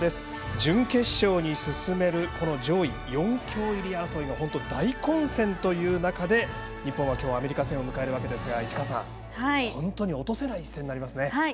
準決勝に進めるこの上位４強入り争いが本当に大混戦という中で日本はきょうはアメリカ戦を迎えるわけですが本当に落とせない一戦になりますね。